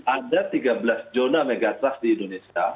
ada tiga belas zona megatrust di indonesia